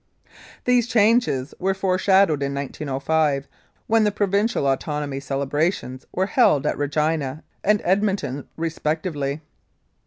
These changes were foreshadowed in 1905 when the provincial autonomy celebrations were held at Regina and Edmonton respectively.